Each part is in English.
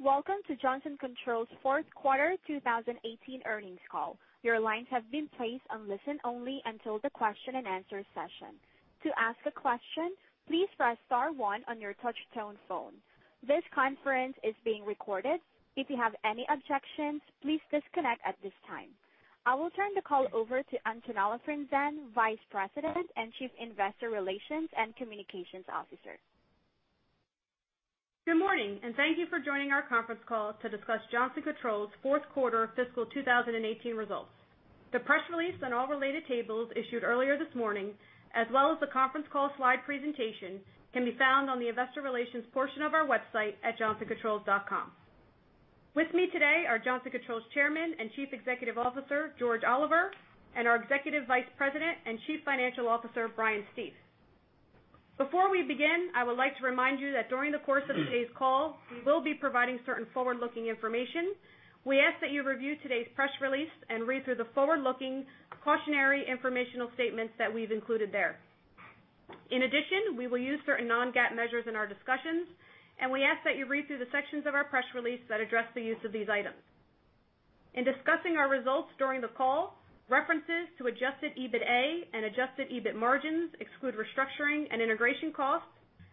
Welcome to Johnson Controls' fourth quarter 2018 earnings call. Your lines have been placed on listen only until the question and answer session. To ask a question, please press Star one on your touch-tone phone. This conference is being recorded. If you have any objections, please disconnect at this time. I will turn the call over to Antonella Franzen, Vice President and Chief Investor Relations and Communications Officer. Good morning, thank you for joining our conference call to discuss Johnson Controls' fourth quarter fiscal 2018 results. The press release and all related tables issued earlier this morning, as well as the conference call slide presentation, can be found on the Investor Relations portion of our website at johnsoncontrols.com. With me today are Johnson Controls Chairman and Chief Executive Officer, George Oliver, and our Executive Vice President and Chief Financial Officer, Brian Stief. Before we begin, I would like to remind you that during the course of today's call, we will be providing certain forward-looking information. We ask that you review today's press release and read through the forward-looking cautionary informational statements that we've included there. In addition, we will use certain non-GAAP measures in our discussions, we ask that you read through the sections of our press release that address the use of these items. In discussing our results during the call, references to adjusted EBITA and adjusted EBIT margins exclude restructuring and integration costs,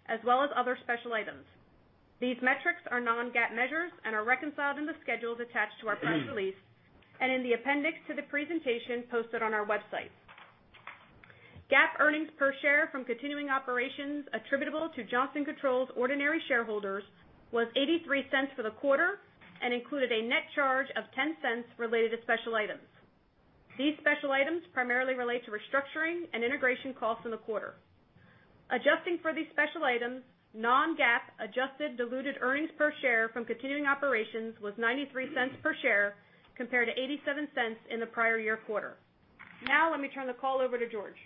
as well as other special items. These metrics are non-GAAP measures and are reconciled in the schedules attached to our press release and in the appendix to the presentation posted on our website. GAAP earnings per share from continuing operations attributable to Johnson Controls' ordinary shareholders was $0.83 for the quarter, included a net charge of $0.10 related to special items. These special items primarily relate to restructuring and integration costs in the quarter. Adjusting for these special items, non-GAAP adjusted diluted earnings per share from continuing operations was $0.93 per share compared to $0.87 in the prior year quarter. Now let me turn the call over to George.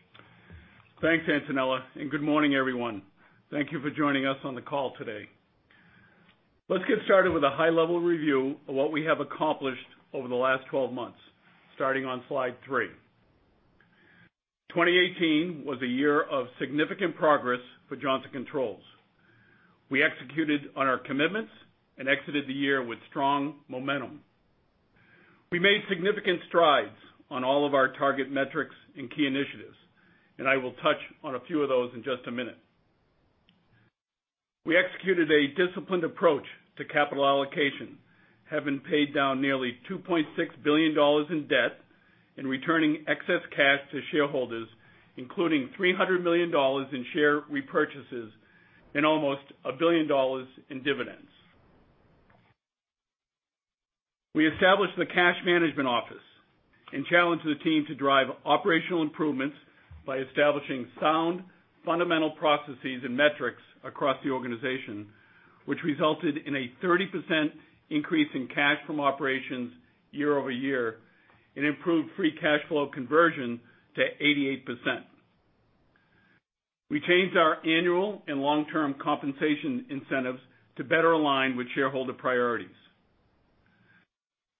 Thanks, Antonella, good morning, everyone. Thank you for joining us on the call today. Let's get started with a high-level review of what we have accomplished over the last 12 months, starting on slide three. 2018 was a year of significant progress for Johnson Controls. We executed on our commitments and exited the year with strong momentum. We made significant strides on all of our target metrics and key initiatives, I will touch on a few of those in just a minute. We executed a disciplined approach to capital allocation, having paid down nearly $2.6 billion in debt and returning excess cash to shareholders, including $300 million in share repurchases and almost $1 billion in dividends. We established the cash management office and challenged the team to drive operational improvements by establishing sound fundamental processes and metrics across the organization, which resulted in a 30% increase in cash from operations year-over-year and improved free cash flow conversion to 88%. We changed our annual and long-term compensation incentives to better align with shareholder priorities.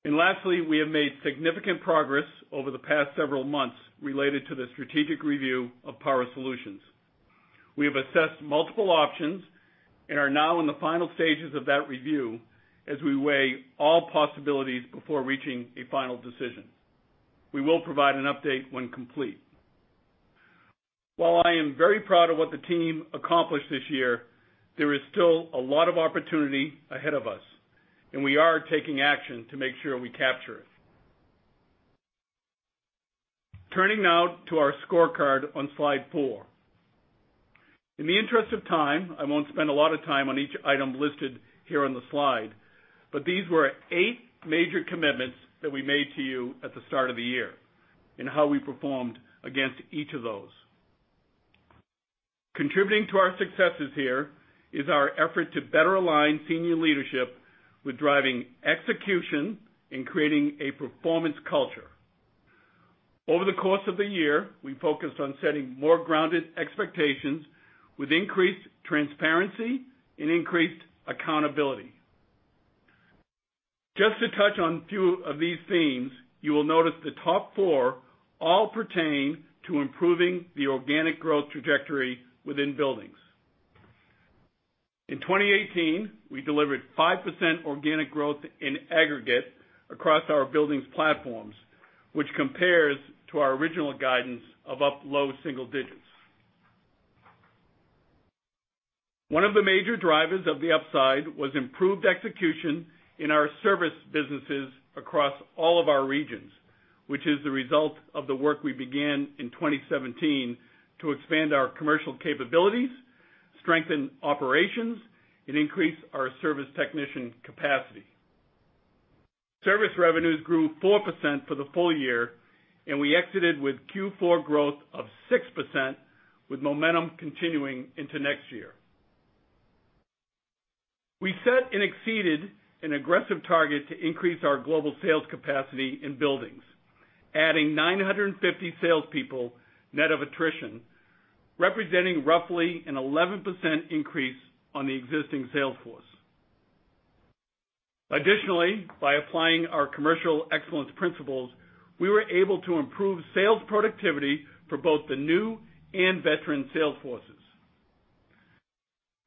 Lastly, we have made significant progress over the past several months related to the strategic review of Power Solutions. We have assessed multiple options and are now in the final stages of that review as we weigh all possibilities before reaching a final decision. We will provide an update when complete. While I am very proud of what the team accomplished this year, there is still a lot of opportunity ahead of us, and we are taking action to make sure we capture it. Turning now to our scorecard on Slide four. In the interest of time, I won't spend a lot of time on each item listed here on the slide, but these were eight major commitments that we made to you at the start of the year and how we performed against each of those. Contributing to our successes here is our effort to better align senior leadership with driving execution and creating a performance culture. Over the course of the year, we focused on setting more grounded expectations with increased transparency and increased accountability. Just to touch on few of these themes, you will notice the top four all pertain to improving the organic growth trajectory within Buildings. In 2018, we delivered 5% organic growth in aggregate across our Buildings platforms, which compares to our original guidance of up low single digits. One of the major drivers of the upside was improved execution in our service businesses across all of our regions, which is the result of the work we began in 2017 to expand our commercial capabilities, strengthen operations, and increase our service technician capacity. Service revenues grew 4% for the full year, and we exited with Q4 growth of 6% with momentum continuing into next year. We set and exceeded an aggressive target to increase our global sales capacity in Buildings, adding 950 salespeople, net of attrition, representing roughly an 11% increase on the existing sales force. Additionally, by applying our commercial excellence principles, we were able to improve sales productivity for both the new and veteran sales forces.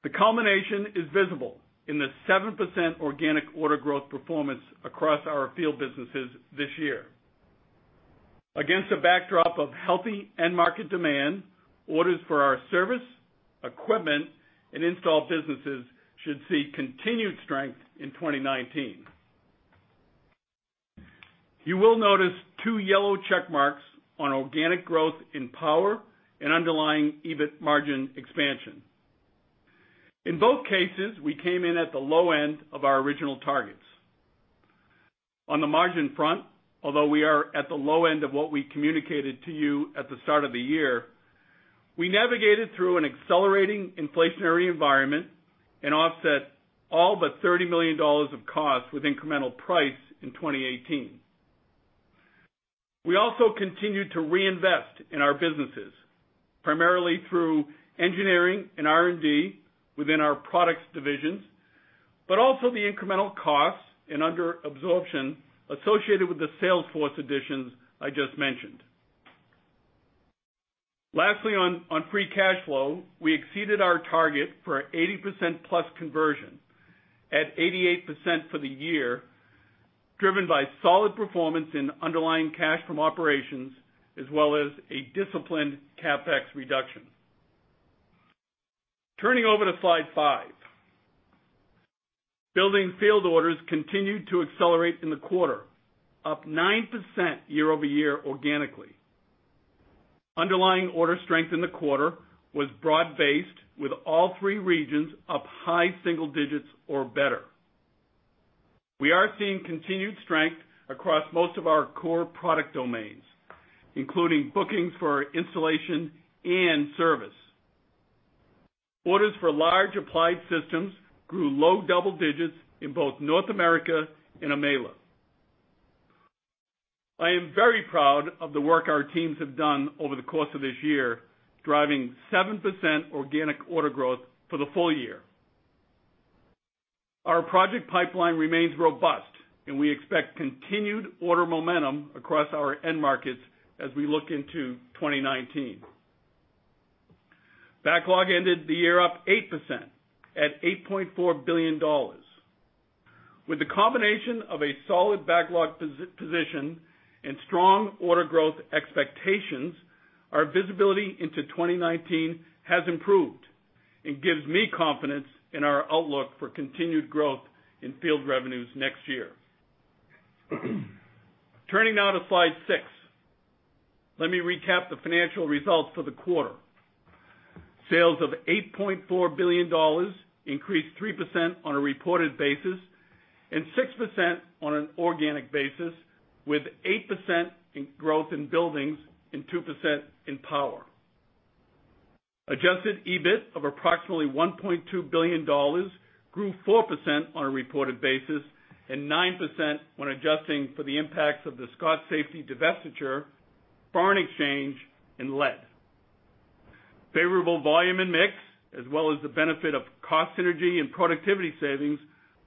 The culmination is visible in the 7% organic order growth performance across our field businesses this year. Against a backdrop of healthy end market demand, orders for our service, equipment, and install businesses should see continued strength in 2019. You will notice two yellow check marks on organic growth in Power and underlying EBIT margin expansion. In both cases, we came in at the low end of our original targets. On the margin front, although we are at the low end of what we communicated to you at the start of the year, we navigated through an accelerating inflationary environment and offset all but $30 million of costs with incremental price in 2018. We also continued to reinvest in our businesses, primarily through engineering and R&D within our products divisions, but also the incremental costs and under absorption associated with the sales force additions I just mentioned. Lastly, on free cash flow, we exceeded our target for 80%+ conversion at 88% for the year, driven by solid performance in underlying cash from operations, as well as a disciplined CapEx reduction. Turning over to Slide five. Buildings field orders continued to accelerate in the quarter, up 9% year-over-year organically. Underlying order strength in the quarter was broad-based, with all three regions up high single digits or better. We are seeing continued strength across most of our core product domains, including bookings for installation and service. Orders for large applied systems grew low double digits in both North America and EMEA-LA. I am very proud of the work our teams have done over the course of this year, driving 7% organic order growth for the full year. Our project pipeline remains robust, we expect continued order momentum across our end markets as we look into 2019. Backlog ended the year up 8% at $8.4 billion. With the combination of a solid backlog position and strong order growth expectations, our visibility into 2019 has improved and gives me confidence in our outlook for continued growth in field revenues next year. Turning now to Slide six. Let me recap the financial results for the quarter. Sales of $8.4 billion increased 3% on a reported basis and 6% on an organic basis, with 8% in growth in buildings and 2% in power. Adjusted EBIT of approximately $1.2 billion grew 4% on a reported basis and 9% when adjusting for the impacts of the Scott Safety divestiture, foreign exchange, and lead. Favorable volume and mix, as well as the benefit of cost synergy and productivity savings,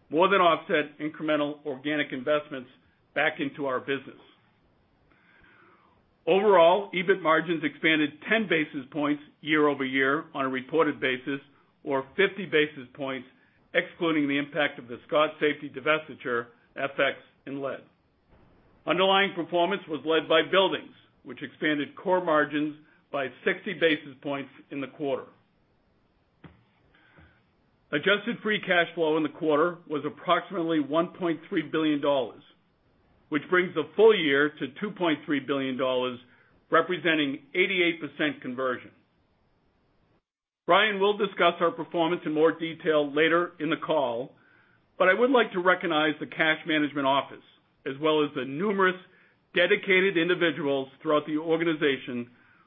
more than offset incremental organic investments back into our business. Overall, EBIT margins expanded 10 basis points year-over-year on a reported basis, or 50 basis points excluding the impact of the Scott Safety divestiture, FX, and lead. Underlying performance was led by Buildings, which expanded core margins by 60 basis points in the quarter. Adjusted free cash flow in the quarter was approximately $1.3 billion, which brings the full year to $2.3 billion, representing 88% conversion. Brian will discuss our performance in more detail later in the call, I would like to recognize the cash management office, as well as the numerous dedicated individuals throughout the organization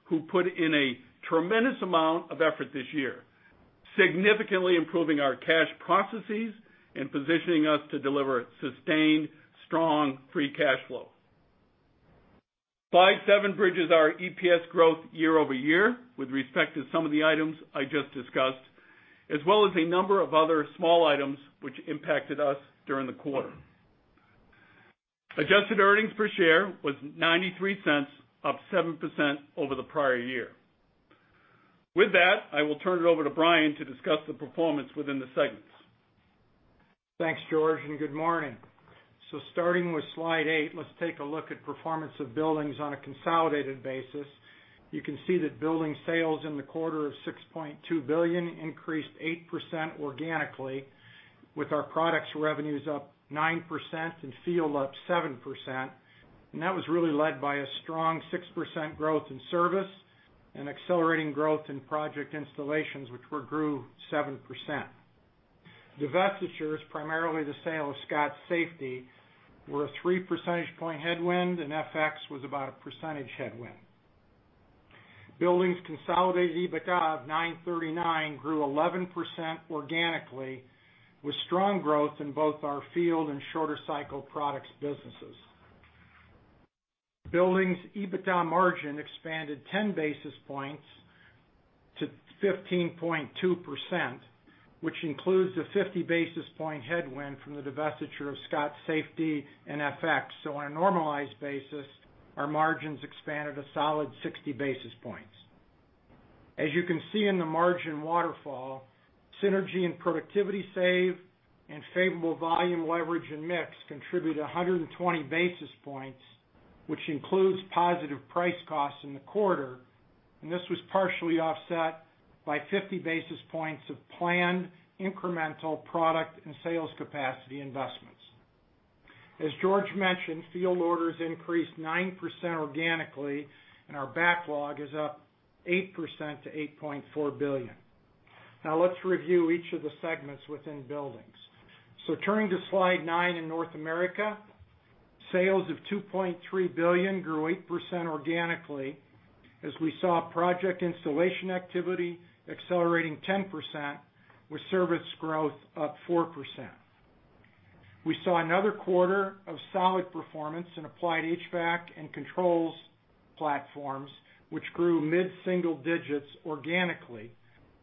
who put in a tremendous amount of effort this year, significantly improving our cash processes and positioning us to deliver sustained, strong free cash flow. Slide seven bridges our EPS growth year-over-year with respect to some of the items I just discussed, as well as a number of other small items which impacted us during the quarter. Adjusted earnings per share was $0.93, up 7% over the prior year. With that, I will turn it over to Brian to discuss the performance within the segments. Thanks, George, and good morning. Starting with Slide eight, let's take a look at performance of Buildings on a consolidated basis. You can see that Buildings Sales in the quarter of $6.2 billion increased 8% organically, with our products revenues up 9% and field up 7%. That was really led by a strong 6% growth in service and accelerating growth in project installations, which grew 7%. Divestitures, primarily the sale of Scott Safety, were a three percentage point headwind, and FX was about a percentage headwind. Buildings' consolidated EBITDA of $939 grew 11% organically, with strong growth in both our field and shorter cycle products businesses. Buildings' EBITDA margin expanded 10 basis points to 15.2%. Which includes a 50 basis point headwind from the divestiture of Scott Safety and FX. On a normalized basis, our margins expanded a solid 60 basis points. As you can see in the margin waterfall, synergy and productivity savings and favorable volume leverage and mix contributed 120 basis points, which includes positive price costs in the quarter, and this was partially offset by 50 basis points of planned incremental product and sales capacity investments. As George mentioned, field orders increased 9% organically, and our backlog is up 8% to $8.4 billion. Let's review each of the segments within Buildings. Turning to Slide nine in North America. Sales of $2.3 billion grew 8% organically as we saw project installation activity accelerating 10%, with service growth up 4%. We saw another quarter of solid performance in applied HVAC and controls platforms, which grew mid-single digits organically,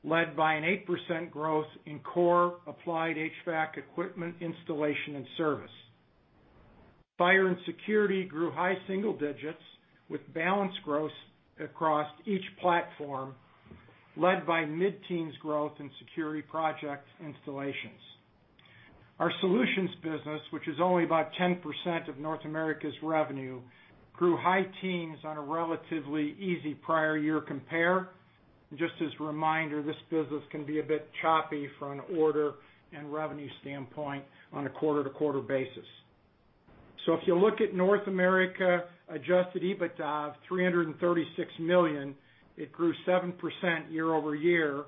led by an 8% growth in core applied HVAC equipment installation and service. Fire and Security grew high single digits with balanced growth across each platform, led by mid-teens growth in security project installations. Our solutions business, which is only about 10% of North America's revenue, grew high teens on a relatively easy prior year compare. Just as a reminder, this business can be a bit choppy from an order and revenue standpoint on a quarter-to-quarter basis. If you look at North America adjusted EBITDA of $336 million, it grew 7% year-over-year,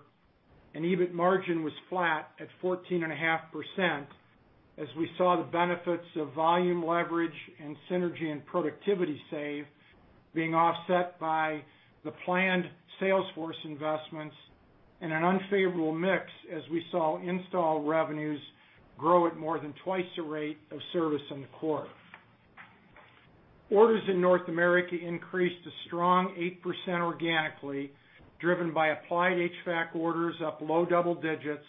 and EBIT margin was flat at 14.5% as we saw the benefits of volume leverage and synergy and productivity savings being offset by the planned sales force investments and an unfavorable mix as we saw install revenues grow at more than twice the rate of service in the quarter. Orders in North America increased a strong 8% organically, driven by applied HVAC orders up low double digits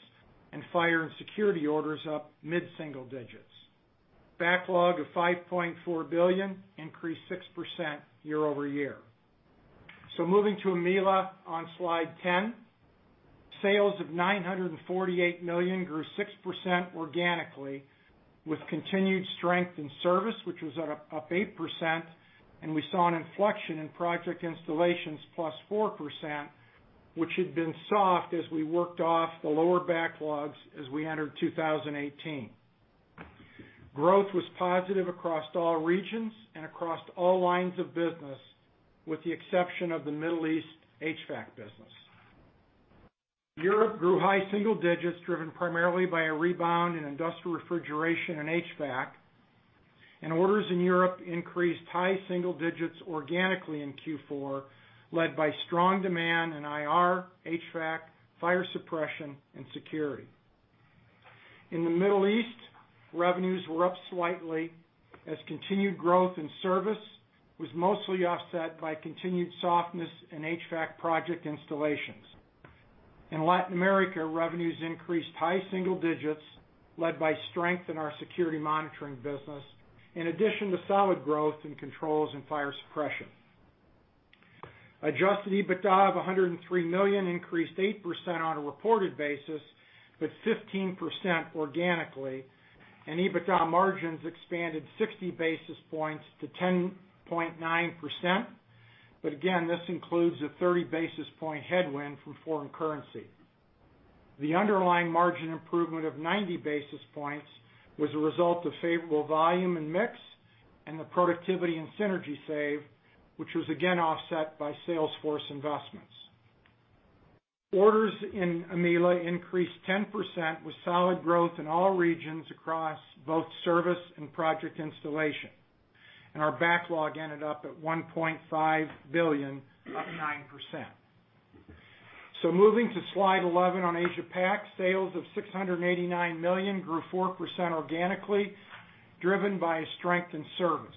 and Fire and Security orders up mid-single digits. Backlog of $5.4 billion increased 6% year-over-year. Moving to EMEA-LA on Slide 10. Sales of $948 million grew 6% organically with continued strength in service, which was up 8%, and we saw an inflection in project installations plus 4%, which had been soft as we worked off the lower backlogs as we entered 2018. Growth was positive across all regions and across all lines of business, with the exception of the Middle East HVAC business. Europe grew high single digits, driven primarily by a rebound in industrial refrigeration and HVAC, and orders in Europe increased high single digits organically in Q4, led by strong demand in IR, HVAC, fire suppression, and security. In the Middle East, revenues were up slightly as continued growth in service was mostly offset by continued softness in HVAC project installations. In Latin America, revenues increased high single digits, led by strength in our security monitoring business, in addition to solid growth in controls and fire suppression. Adjusted EBITDA of $103 million increased 8% on a reported basis, but 15% organically, and EBITDA margins expanded 60 basis points to 10.9%. Again, this includes a 30 basis point headwind from foreign currency. The underlying margin improvement of 90 basis points was a result of favorable volume and mix, and the productivity and synergy save, which was again offset by sales force investments. Orders in EMEA-LA increased 10% with solid growth in all regions across both service and project installation, and our backlog ended up at $1.5 billion, up 9%. Moving to Slide 11 on Asia Pac, sales of $689 million grew 4% organically, driven by strength in service.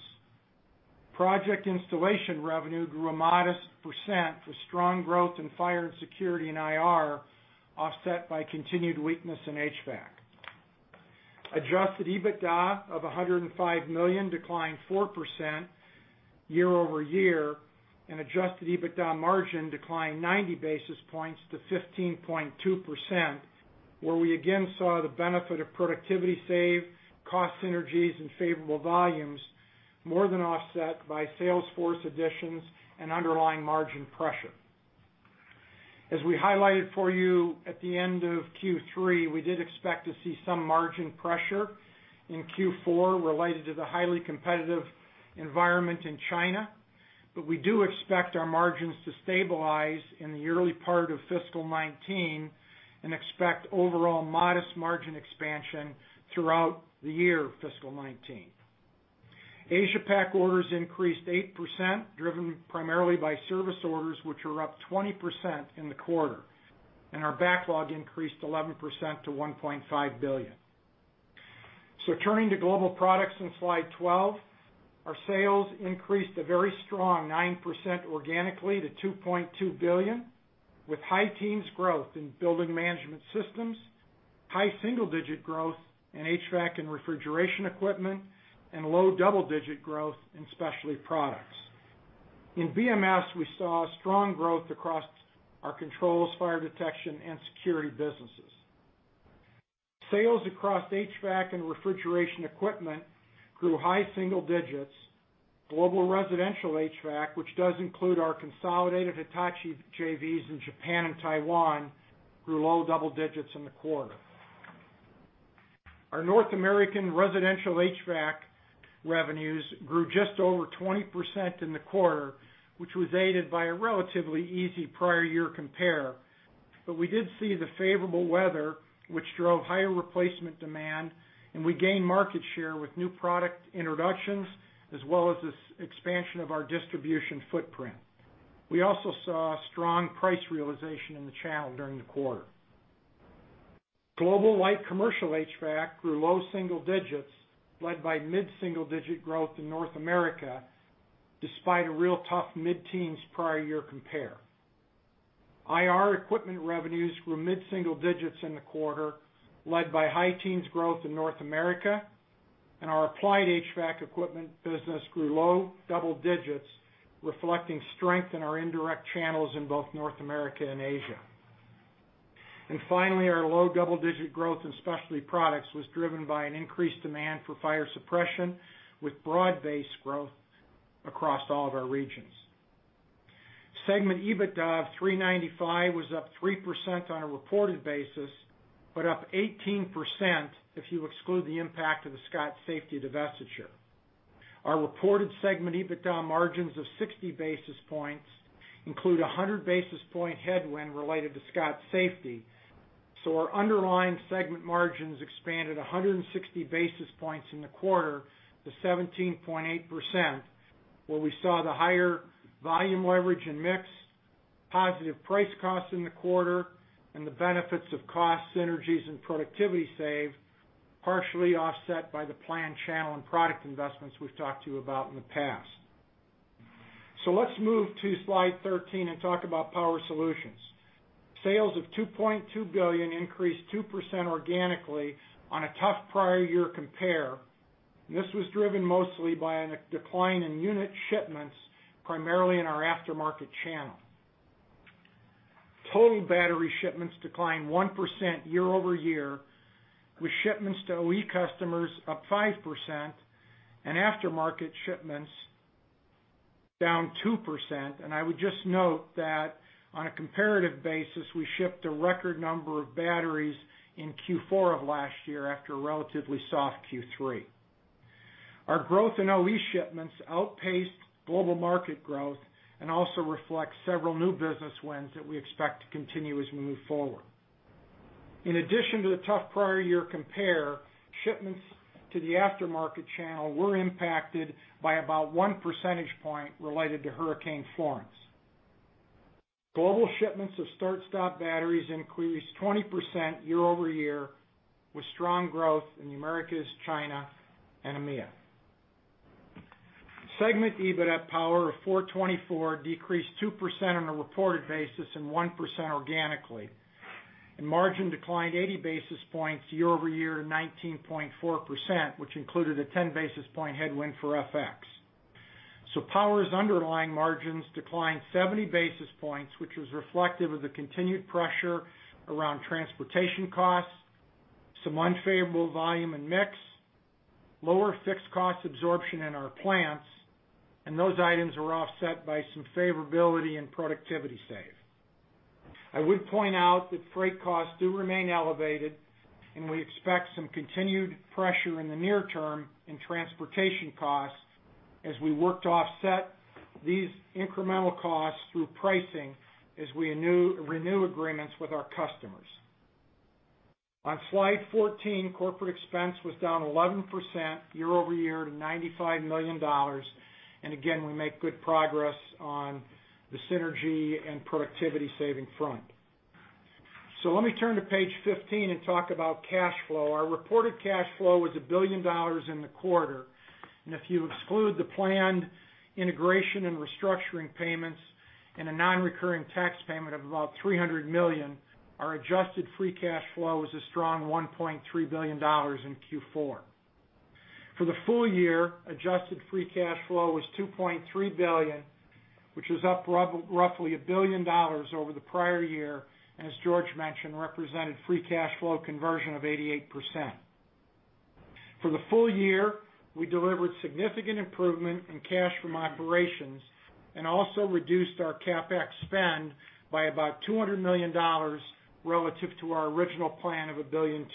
Project installation revenue grew a modest percent with strong growth in fire and security and IR, offset by continued weakness in HVAC. Adjusted EBITDA of $105 million declined 4% year-over-year, and adjusted EBITDA margin declined 90 basis points to 15.2%, where we again saw the benefit of productivity save, cost synergies, and favorable volumes more than offset by sales force additions and underlying margin pressure. As we highlighted for you at the end of Q3, we did expect to see some margin pressure in Q4 related to the highly competitive environment in China, but we do expect our margins to stabilize in the early part of fiscal 2019, and expect overall modest margin expansion throughout the year of fiscal 2019. Asia Pac orders increased 8%, driven primarily by service orders, which were up 20% in the quarter, and our backlog increased 11% to $1.5 billion. Turning to global products in Slide 12, our sales increased a very strong 9% organically to $2.2 billion, with high teens growth in building management systems, high single-digit growth in HVAC and refrigeration equipment, and low double-digit growth in specialty products. In BMS, we saw strong growth across our controls, fire detection, and security businesses. Sales across HVAC and refrigeration equipment grew high single digits. Global residential HVAC, which does include our consolidated Hitachi JVs in Japan and Taiwan, grew low double digits in the quarter. Our North American residential HVAC revenues grew just over 20% in the quarter, which was aided by a relatively easy prior year compare. We did see the favorable weather, which drove higher replacement demand, and we gained market share with new product introductions, as well as the expansion of our distribution footprint. We also saw strong price realization in the channel during the quarter. Global light commercial HVAC grew low single digits, led by mid-single digit growth in North America, despite a real tough mid-teens prior year compare. IR equipment revenues grew mid-single digits in the quarter, led by high teens growth in North America, and our applied HVAC equipment business grew low double digits, reflecting strength in our indirect channels in both North America and Asia. Finally, our low double-digit growth in specialty products was driven by an increased demand for fire suppression, with broad-based growth across all of our regions. Segment EBITDA of $395 million was up 3% on a reported basis, but up 18% if you exclude the impact of the Scott Safety divestiture. Our reported segment EBITDA margins of 60 basis points include 100 basis point headwind related to Scott Safety. Our underlying segment margins expanded 160 basis points in the quarter to 17.8%, where we saw the higher volume leverage and mix, positive price cost in the quarter, and the benefits of cost synergies and productivity save, partially offset by the planned channel and product investments we've talked to you about in the past. Let's move to Slide 13 and talk about Power Solutions. Sales of $2.2 billion increased 2% organically on a tough prior year compare. This was driven mostly by a decline in unit shipments, primarily in our aftermarket channel. Total battery shipments declined 1% year-over-year, with shipments to OE customers up 5% and aftermarket shipments down 2%. I would just note that on a comparative basis, we shipped a record number of batteries in Q4 of last year after a relatively soft Q3. Our growth in OE shipments outpaced global market growth and also reflects several new business wins that we expect to continue as we move forward. In addition to the tough prior year compare, shipments to the aftermarket channel were impacted by about one percentage point related to Hurricane Florence. Global shipments of start-stop batteries increased 20% year-over-year with strong growth in the Americas, China, and EMEA. Segment EBIT at Power Solutions of $424 million decreased 2% on a reported basis and 1% organically. Margin declined 80 basis points year-over-year to 19.4%, which included a 10 basis point headwind for FX. Power Solutions' underlying margins declined 70 basis points, which was reflective of the continued pressure around transportation costs, some unfavorable volume and mix, lower fixed cost absorption in our plants, and those items were offset by some favorability in productivity save. I would point out that freight costs do remain elevated, and we expect some continued pressure in the near term in transportation costs as we work to offset these incremental costs through pricing as we renew agreements with our customers. On Slide 14, corporate expense was down 11% year-over-year to $95 million. Again, we made good progress on the synergy and productivity saving front. Let me turn to page 15 and talk about cash flow. Our reported cash flow was $1 billion in the quarter. If you exclude the planned integration and restructuring payments and a non-recurring tax payment of about $300 million, our adjusted free cash flow is a strong $1.3 billion in Q4. For the full year, adjusted free cash flow was $2.3 billion, which was up roughly $1 billion over the prior year, and as George mentioned, represented free cash flow conversion of 88%. For the full year, we delivered significant improvement in cash from operations and also reduced our CapEx spend by about $200 million relative to our original plan of $1.25 billion.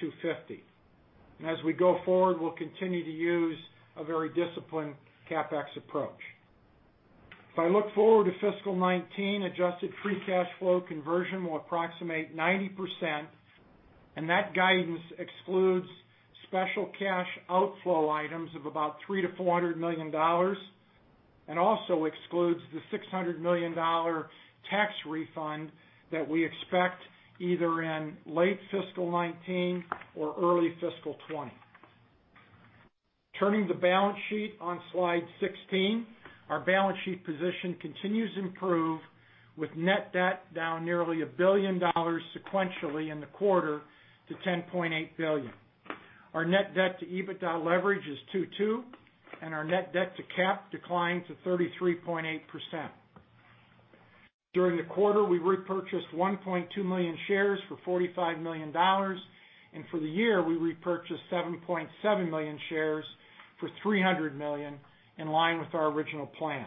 As we go forward, we'll continue to use a very disciplined CapEx approach. If I look forward to fiscal 2019, adjusted free cash flow conversion will approximate 90%, Also excludes special cash outflow items of about $300 million-$400 million. Also excludes the $600 million tax refund that we expect either in late fiscal 2019 or early fiscal 2020. Turning to the balance sheet on Slide 16, our balance sheet position continues to improve with net debt down nearly $1 billion sequentially in the quarter to $10.8 billion. Our net debt to EBITDA leverage is 2.2, Our net debt to CapEx declined to 33.8%. During the quarter, we repurchased 1.2 million shares for $45 million, for the year, we repurchased 7.7 million shares for $300 million, in line with our original plans.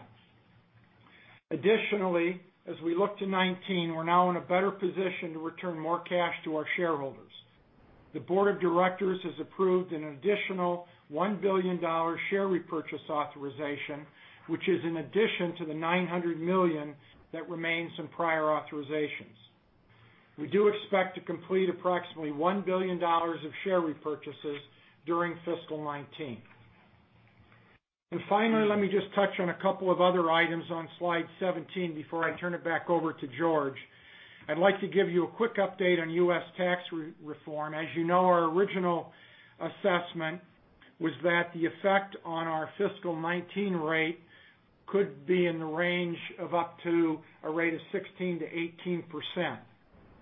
Additionally, as we look to 2019, we're now in a better position to return more cash to our shareholders. The board of directors has approved an additional $1 billion share repurchase authorization, which is in addition to the $900 million that remains in prior authorizations. We do expect to complete approximately $1 billion of share repurchases during fiscal 2019. Finally, let me just touch on a couple of other items on Slide 17 before I turn it back over to George. I'd like to give you a quick update on U.S. tax reform. As you know, our original assessment was that the effect on our fiscal 2019 rate could be in the range of up to a rate of 16%-18%.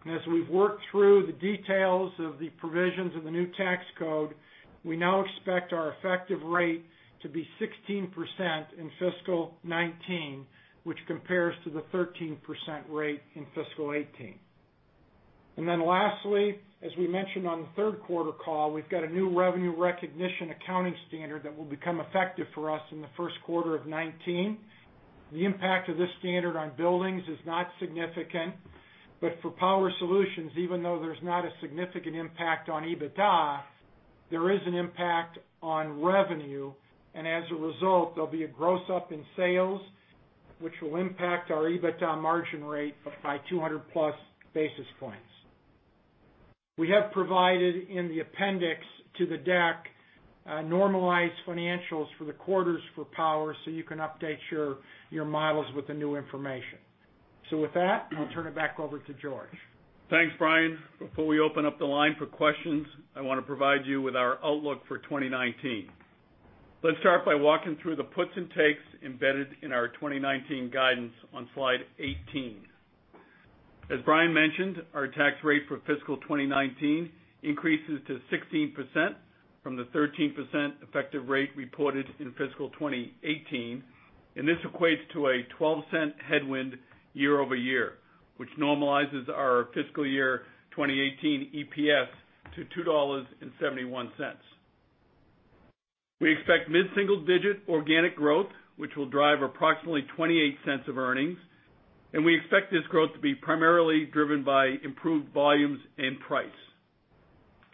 As we've worked through the details of the provisions of the new tax code, we now expect our effective rate to be 16% in fiscal 2019, which compares to the 13% rate in fiscal 2018. Lastly, as we mentioned on the third quarter call, we've got a new revenue recognition accounting standard that will become effective for us in the first quarter of 2019. The impact of this standard on buildings is not significant, but for Power Solutions, even though there's not a significant impact on EBITDA, there is an impact on revenue, as a result, there'll be a gross up in sales, which will impact our EBITDA margin rate by 200-plus basis points. We have provided in the appendix to the deck, normalized financials for the quarters for Power Solutions, so you can update your models with the new information. With that, I'll turn it back over to George. Thanks, Brian. Before we open up the line for questions, I want to provide you with our outlook for 2019. Let's start by walking through the puts and takes embedded in our 2019 guidance on Slide 18. As Brian mentioned, our tax rate for fiscal 2019 increases to 16% from the 13% effective rate reported in fiscal 2018, This equates to a $0.12 headwind year-over-year, which normalizes our fiscal year 2018 EPS to $2.71. We expect mid-single digit organic growth, which will drive approximately $0.28 of earnings, we expect this growth to be primarily driven by improved volumes and price.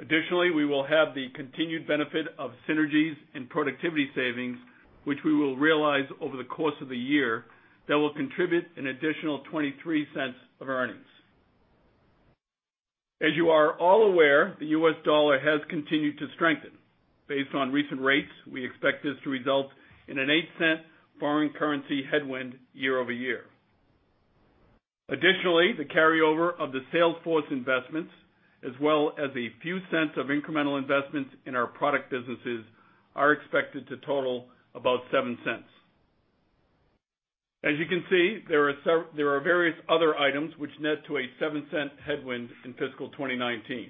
Additionally, we will have the continued benefit of synergies and productivity savings, which we will realize over the course of the year, that will contribute an additional $0.23 of earnings. As you are all aware, the U.S. dollar has continued to strengthen. Based on recent rates, we expect this to result in a $0.08 foreign currency headwind year-over-year. Additionally, the carryover of the sales force investments, as well as a few cents of incremental investments in our product businesses, are expected to total about $0.07. As you can see, there are various other items which net to a $0.07 headwind in fiscal 2019.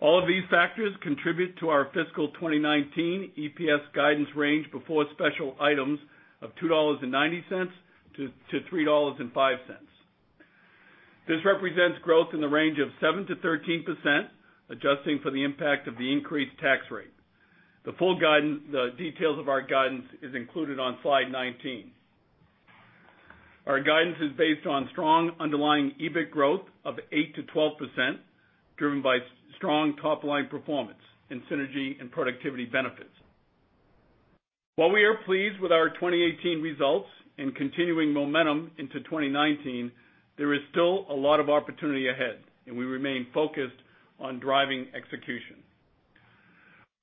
All of these factors contribute to our fiscal 2019 EPS guidance range before special items of $2.90-$3.05. This represents growth in the range of 7%-13%, adjusting for the impact of the increased tax rate. The full details of our guidance is included on Slide 19. Our guidance is based on strong underlying EBIT growth of 8%-12%, driven by strong top-line performance and synergy and productivity benefits. While we are pleased with our 2018 results and continuing momentum into 2019, there is still a lot of opportunity ahead. We remain focused on driving execution.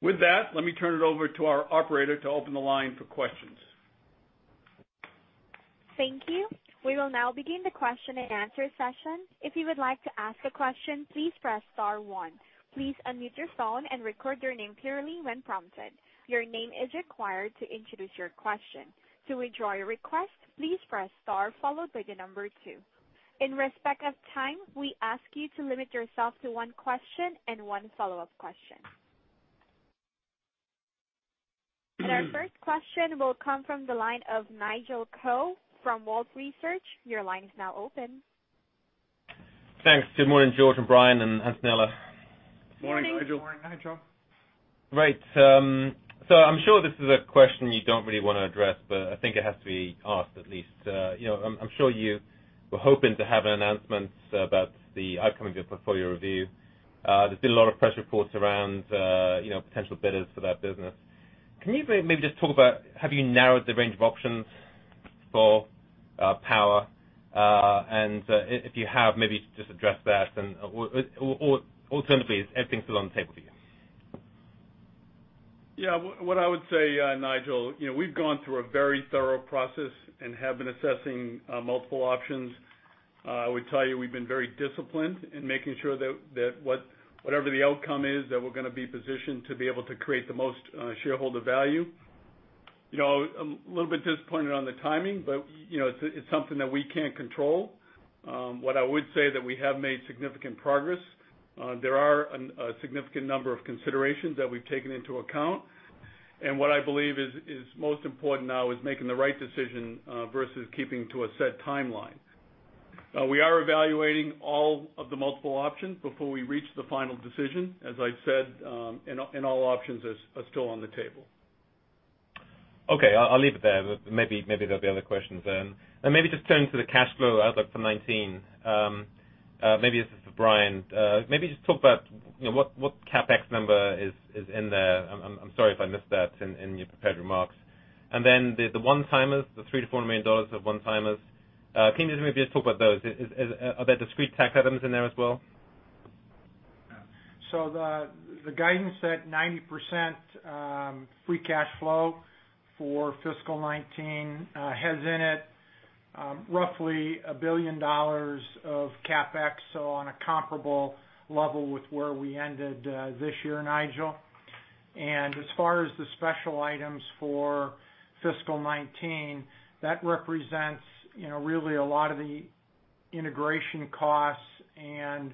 With that, let me turn it over to our operator to open the line for questions. Thank you. We will now begin the question-and-answer session. If you would like to ask a question, please press star one. Please unmute your phone and record your name clearly when prompted. Your name is required to introduce your question. To withdraw your request, please press star followed by the number two. In respect of time, we ask you to limit yourself to one question and one follow-up question. Our first question will come from the line of Nigel Coe from Wolfe Research. Your line is now open. Thanks. Good morning, George, Brian, and Antonella. Morning. Morning, Nigel. Right. I'm sure this is a question you don't really want to address, but I think it has to be asked, at least. I'm sure you were hoping to have an announcement about the upcoming portfolio review. There's been a lot of press reports around potential bidders for that business. Can you maybe just talk about, have you narrowed the range of options for Power? If you have, maybe just address that. Alternatively, everything's still on the table for you. Yeah. What I would say, Nigel, we've gone through a very thorough process and have been assessing multiple options. I would tell you we've been very disciplined in making sure that whatever the outcome is, that we're going to be positioned to be able to create the most shareholder value. A little bit disappointed on the timing, but it's something that we can't control. What I would say, that we have made significant progress. There are a significant number of considerations that we've taken into account, and what I believe is most important now is making the right decision versus keeping to a set timeline. We are evaluating all of the multiple options before we reach the final decision, as I've said, and all options are still on the table. Okay. I'll leave it there. Maybe there'll be other questions then. Maybe just turning to the cash flow outlook for 2019. Maybe this is for Brian. Maybe just talk about what CapEx number is in there. I'm sorry if I missed that in your prepared remarks. Then the one-timers, the $300 million-$400 million of one-timers. Can you maybe just talk about those? Are there discrete tax items in there as well? The guidance said 90% free cash flow for fiscal 2019 has in it roughly $1 billion of CapEx, on a comparable level with where we ended this year, Nigel. As far as the special items for fiscal 2019, that represents really a lot of the integration costs and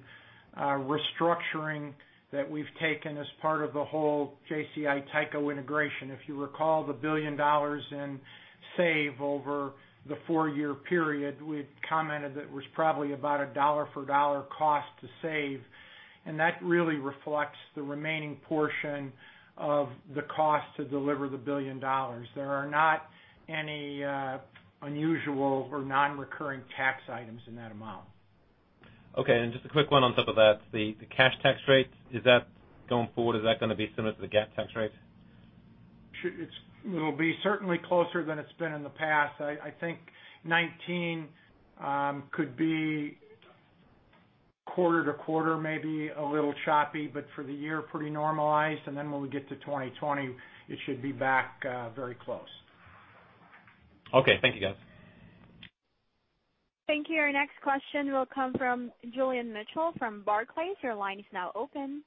restructuring that we've taken as part of the whole JCI Tyco integration. If you recall, the $1 billion in save over the four-year period, we had commented that it was probably about a dollar for dollar cost to save, and that really reflects the remaining portion of the cost to deliver the $1 billion. There are not any unusual or non-recurring tax items in that amount. Okay. Just a quick one on top of that, the cash tax rate, going forward, is that going to be similar to the GAAP tax rate? It'll be certainly closer than it's been in the past. I think 2019 could be quarter-to-quarter, maybe a little choppy, but for the year, pretty normalized. Then when we get to 2020, it should be back very close. Okay. Thank you, guys. Thank you. Our next question will come from Julian Mitchell from Barclays. Your line is now open.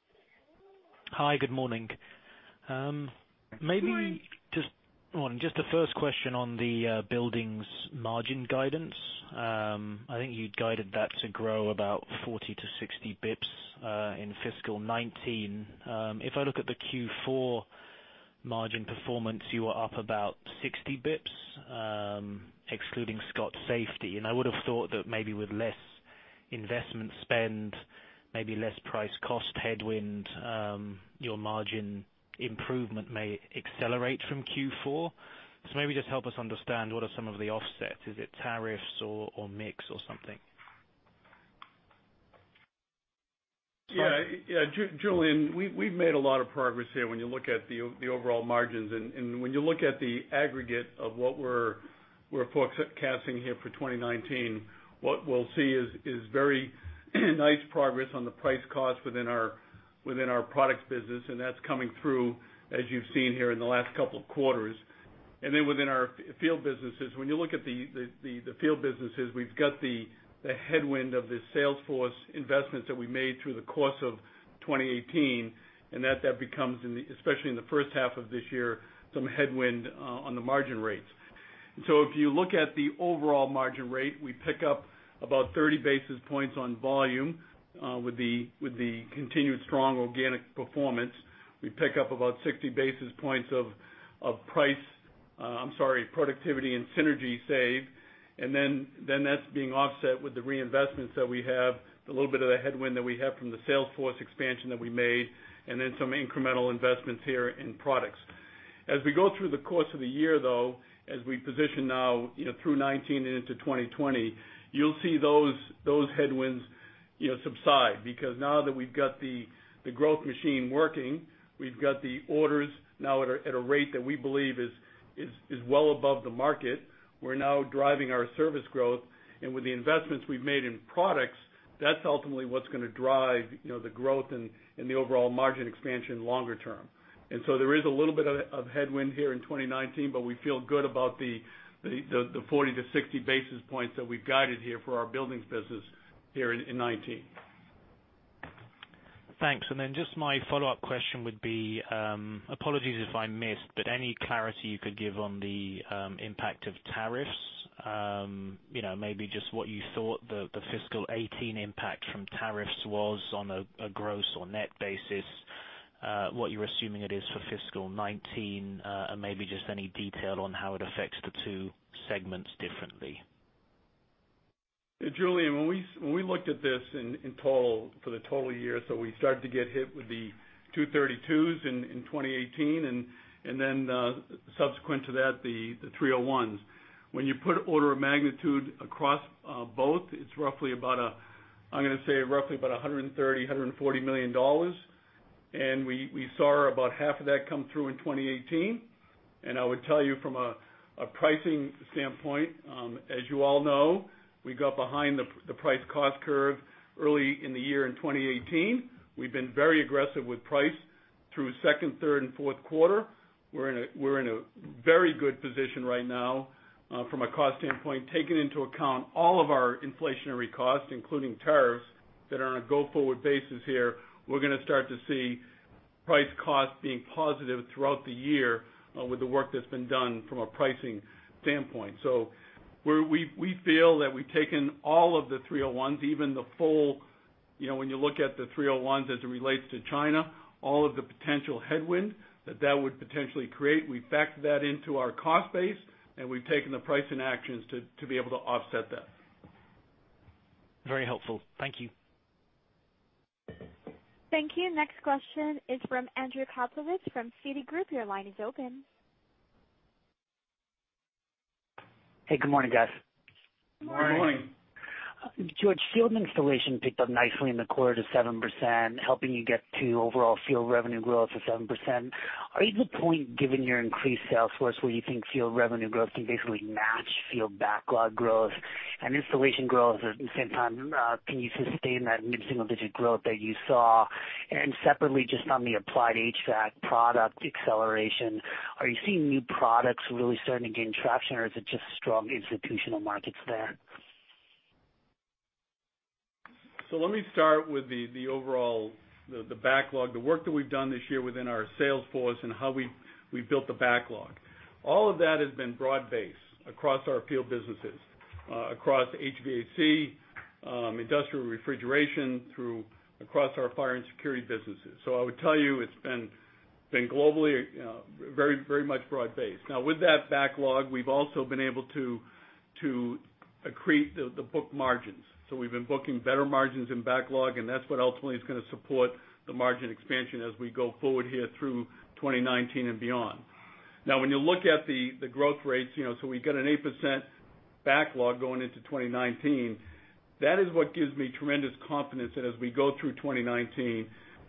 Hi. Good morning. Good morning. Just the first question on the buildings margin guidance. I think you'd guided that to grow about 40-60 basis points in fiscal 2019. If I look at the Q4 margin performance, you are up about 60 basis points, excluding Scott Safety. I would have thought that maybe with less investment spend, maybe less price cost headwind, your margin improvement may accelerate from Q4. Maybe just help us understand, what are some of the offsets? Is it tariffs or mix or something? Julian, we've made a lot of progress here when you look at the overall margins. When you look at the aggregate of what we're forecasting here for 2019, what we'll see is very nice progress on the price cost within our products business, and that's coming through, as you've seen here in the last couple of quarters. Then within our field businesses, when you look at the field businesses, we've got the headwind of the salesforce investments that we made through the course of 2018, and that becomes, especially in the first half of this year, some headwind on the margin rates. So if you look at the overall margin rate, we pick up about 30 basis points on volume with the continued strong organic performance. We pick up about 60 basis points of productivity and synergy save. Then that's being offset with the reinvestments that we have, the little bit of the headwind that we have from the salesforce expansion that we made, and then some incremental investments here in products. As we go through the course of the year, though, as we position now through 2019 and into 2020, you'll see those headwinds subside. Now that we've got the growth machine working, we've got the orders now at a rate that we believe is well above the market. We're now driving our service growth. With the investments we've made in products, that's ultimately what's going to drive the growth and the overall margin expansion longer term. So there is a little bit of headwind here in 2019, but we feel good about the 40-60 basis points that we've guided here for our buildings business here in 2019. Thanks. Just my follow-up question would be, apologies if I missed, but any clarity you could give on the impact of tariffs? Maybe just what you thought the fiscal 2018 impact from tariffs was on a gross or net basis, what you're assuming it is for fiscal 2019, and maybe just any detail on how it affects the two segments differently. Julian, when we looked at this for the total year, we started to get hit with the 232s in 2018, then subsequent to that, the 301s. When you put order of magnitude across both, it's roughly about, I'm going to say, roughly about $130 million-$140 million. We saw about half of that come through in 2018. I would tell you from a pricing standpoint, as you all know, we got behind the price cost curve early in the year in 2018. We've been very aggressive with price through second, third, and fourth quarter. We're in a very good position right now from a cost standpoint, taking into account all of our inflationary costs, including tariffs, that are on a go-forward basis here. We're going to start to see price cost being positive throughout the year with the work that's been done from a pricing standpoint. We feel that we've taken all of the 301s, even when you look at the 301s as it relates to China, all of the potential headwind that would potentially create, we've factored that into our cost base, and we've taken the pricing actions to be able to offset that. Very helpful. Thank you. Thank you. Next question is from Andy Kaplowitz from Citigroup. Your line is open. Hey, good morning, guys. Good morning. Good morning. George, field installation picked up nicely in the quarter to 7%, helping you get to overall field revenue growth to 7%. Are you at the point, given your increased sales force, where you think field revenue growth can basically match field backlog growth and installation growth at the same time? Can you sustain that mid-single digit growth that you saw? Separately, just on the applied HVAC product acceleration, are you seeing new products really starting to gain traction, or is it just strong institutional markets there? Let me start with the overall backlog, the work that we've done this year within our sales force and how we've built the backlog. All of that has been broad-based across our field businesses, across HVAC, industrial refrigeration, through across our fire and security businesses. I would tell you, it's been globally very much broad-based. With that backlog, we've also been able to accrete the book margins. We've been booking better margins in backlog, and that's what ultimately is going to support the margin expansion as we go forward here through 2019 and beyond. When you look at the growth rates, we've got an 8% backlog going into 2019. That is what gives me tremendous confidence that as we go through 2019,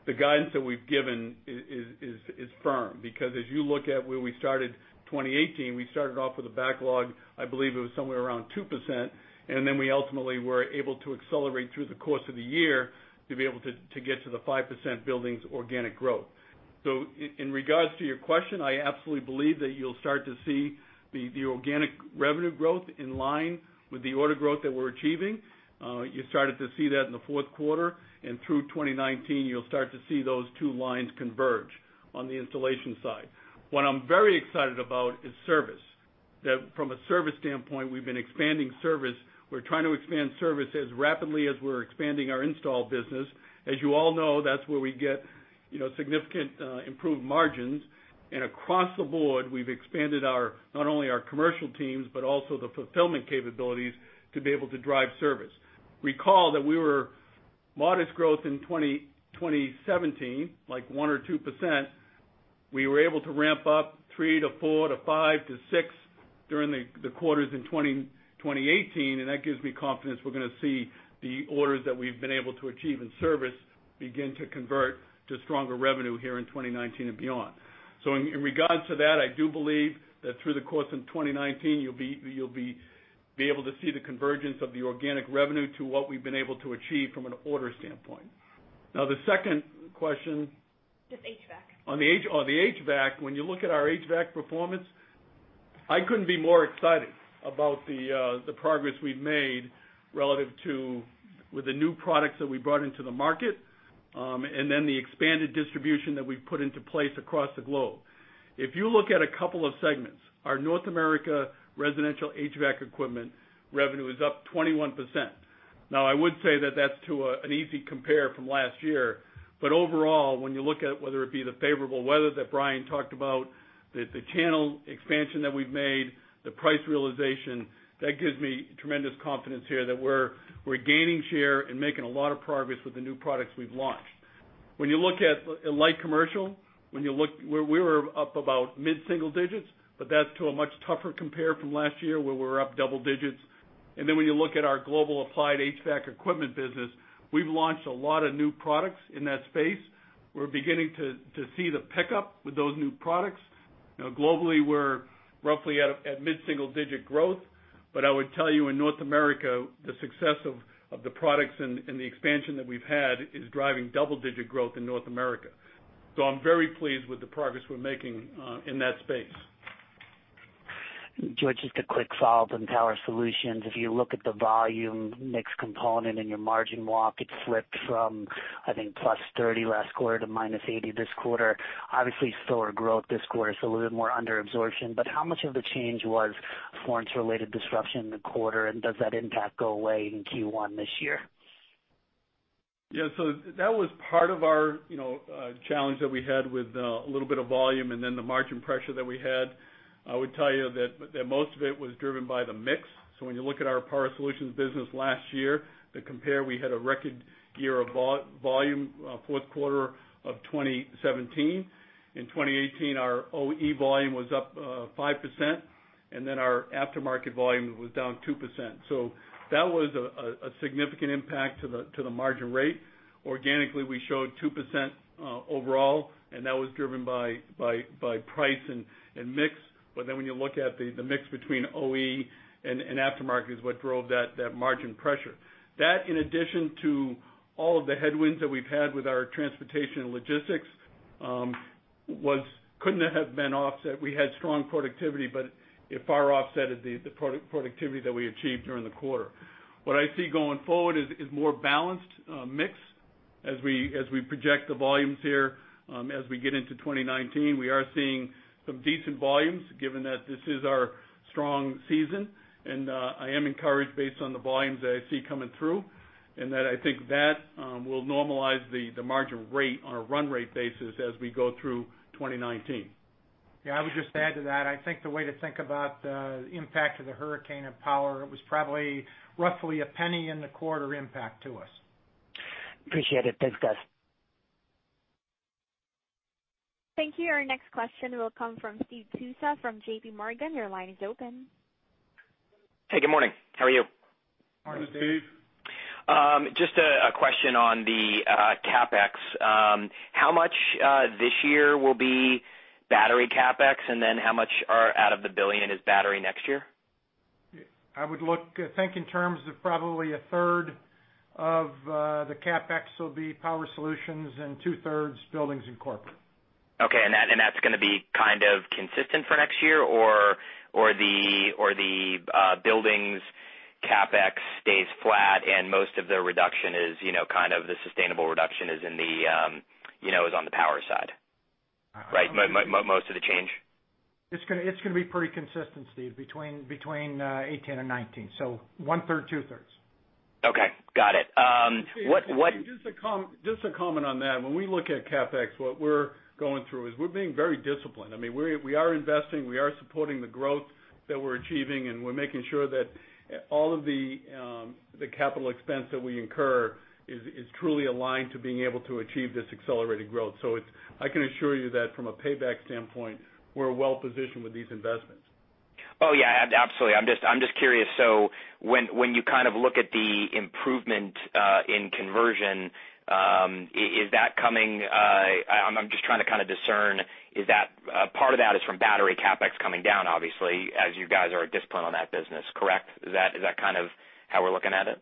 the guidance that we've given is firm. As you look at where we started 2018, we started off with a backlog, I believe it was somewhere around 2%, and then we ultimately were able to accelerate through the course of the year to be able to get to the 5% buildings organic growth. In regards to your question, I absolutely believe that you'll start to see the organic revenue growth in line with the order growth that we're achieving. You started to see that in the fourth quarter, and through 2019, you'll start to see those two lines converge on the installation side. What I'm very excited about is service. From a service standpoint, we've been expanding service. We're trying to expand service as rapidly as we're expanding our install business. As you all know, that's where we get significant improved margins. Across the board, we've expanded not only our commercial teams, but also the fulfillment capabilities to be able to drive service. Recall that we were modest growth in 2017, like 1% or 2%. We were able to ramp up 3% to 4% to 5% to 6% during the quarters in 2018, and that gives me confidence we're going to see the orders that we've been able to achieve in service begin to convert to stronger revenue here in 2019 and beyond. In regards to that, I do believe that through the course of 2019, you'll be able to see the convergence of the organic revenue to what we've been able to achieve from an order standpoint. The second question- Just HVAC. On the HVAC. When you look at our HVAC performance, I couldn't be more excited about the progress we've made relative to with the new products that we brought into the market, and then the expanded distribution that we've put into place across the globe. If you look at a couple of segments, our North America residential HVAC equipment revenue is up 21%. I would say that that's to an easy compare from last year. Overall, when you look at whether it be the favorable weather that Brian talked about, the channel expansion that we've made, the price realization, that gives me tremendous confidence here that we're gaining share and making a lot of progress with the new products we've launched. When you look at light commercial, we were up about mid-single digits, but that's to a much tougher compare from last year where we were up double digits. When you look at our global applied HVAC equipment business, we've launched a lot of new products in that space. We're beginning to see the pickup with those new products. Globally, we're roughly at mid-single digit growth. I would tell you, in North America, the success of the products and the expansion that we've had is driving double-digit growth in North America. I'm very pleased with the progress we're making in that space. George, just a quick follow-up on Power Solutions. If you look at the volume mix component and your margin walk, it slipped from, I think, +30% last quarter to -80% this quarter. Obviously, slower growth this quarter, so a little bit more under absorption. How much of the change was Florence-related disruption in the quarter, and does that impact go away in Q1 this year? That was part of our challenge that we had with a little bit of volume and the margin pressure that we had. I would tell you that most of it was driven by the mix. When you look at our Power Solutions business last year, to compare, we had a record year of volume, fourth quarter of 2017. In 2018, our OE volume was up 5%. Our aftermarket volume was down 2%. That was a significant impact to the margin rate. Organically, we showed 2% overall, and that was driven by price and mix. When you look at the mix between OE and aftermarket is what drove that margin pressure. That, in addition to all of the headwinds that we've had with our transportation and logistics, couldn't have been offset. We had strong productivity, but it far offsetted the productivity that we achieved during the quarter. What I see going forward is more balanced mix as we project the volumes here. As we get into 2019, we are seeing some decent volumes given that this is our strong season, and I am encouraged based on the volumes that I see coming through, and that I think that will normalize the margin rate on a run rate basis as we go through 2019. I would just add to that. I think the way to think about the impact of the hurricane on power, it was probably roughly a $0.01 in the quarter impact to us. Appreciate it. Thanks, guys. Thank you. Our next question will come from Steve Tusa from JPMorgan. Your line is open. Good morning. How are you? Morning, Steve. Morning. Just a question on the CapEx. How much this year will be battery CapEx, and then how much out of the $1 billion is battery next year? I would think in terms of probably a third of the CapEx will be Power Solutions and two-thirds buildings and corporate. Okay, that's going to be kind of consistent for next year or the buildings CapEx stays flat and most of the reduction is kind of the sustainable reduction is on the power side. Right, most of the change? It's going to be pretty consistent, Steve, between 2018 and 2019, so one-third, two-thirds. Okay, got it. Just a comment on that. When we look at CapEx, what we're going through is we're being very disciplined. We are investing, we are supporting the growth that we're achieving, and we're making sure that all of the capital expense that we incur is truly aligned to being able to achieve this accelerated growth. I can assure you that from a payback standpoint, we're well-positioned with these investments. Oh, yeah, absolutely. I'm just curious. When you kind of look at the improvement in conversion, I'm just trying to kind of discern, part of that is from battery CapEx coming down, obviously, as you guys are disciplined on that business, correct? Is that kind of how we're looking at it?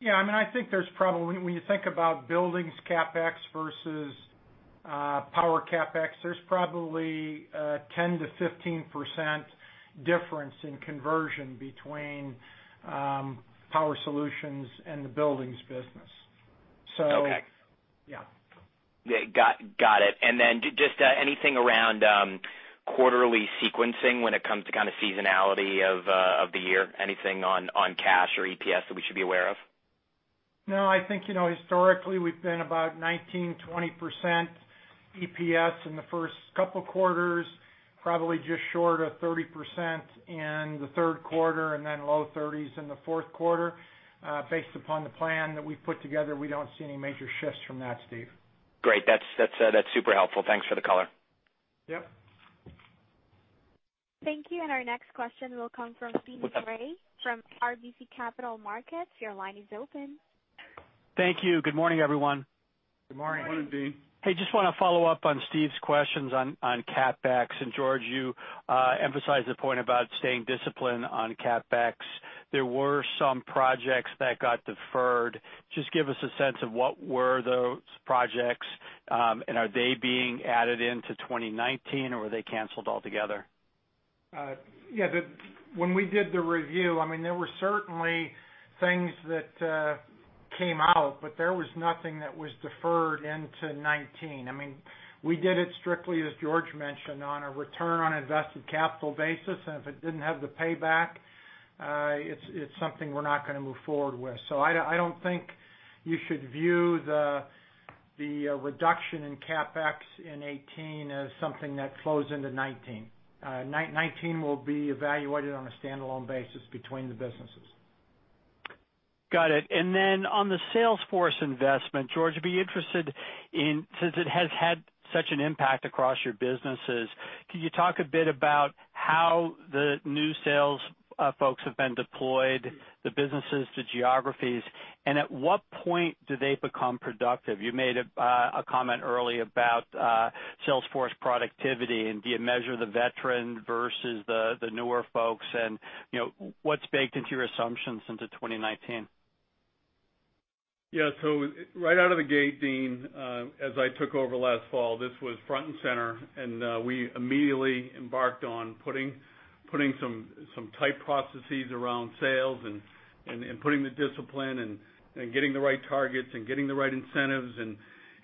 When you think about buildings CapEx versus power CapEx, there's probably a 10%-15% difference in conversion between Power Solutions and the buildings business. Okay. Yeah. Got it. Just anything around quarterly sequencing when it comes to kind of seasonality of the year, anything on cash or EPS that we should be aware of? No, I think, historically, we've been about 19%-20% EPS in the first couple of quarters, probably just short of 30% in the third quarter, and then low 30s in the fourth quarter. Based upon the plan that we've put together, we don't see any major shifts from that, Steve. Great. That's super helpful. Thanks for the color. Yep. Thank you. Our next question will come from Deane Dray from RBC Capital Markets. Your line is open. Thank you. Good morning, everyone. Good morning. Good morning, Deane. Hey, just want to follow up on Steve's questions on CapEx. George, you emphasized the point about staying disciplined on CapEx. There were some projects that got deferred. Just give us a sense of what were those projects, and are they being added into 2019, or were they canceled altogether? When we did the review, there were certainly things that came out, but there was nothing that was deferred into 2019. We did it strictly, as George mentioned, on a return on invested capital basis. If it didn't have the payback, it's something we're not going to move forward with. I don't think you should view the reduction in CapEx in 2018 as something that flows into 2019. 2019 will be evaluated on a standalone basis between the businesses. Got it. Then on the sales force investment, George, I'd be interested in, since it has had such an impact across your businesses, can you talk a bit about how the new sales folks have been deployed, the businesses, the geographies, and at what point do they become productive? You made a comment earlier about sales force productivity, do you measure the veteran versus the newer folks? What's baked into your assumptions into 2019? Yeah. Right out of the gate, Deane, as I took over last fall, this was front and center, and we immediately embarked on putting some tight processes around sales and putting the discipline and getting the right targets and getting the right incentives.